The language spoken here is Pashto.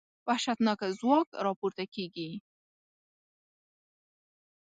وحشتناکه ځواک راپورته کېږي.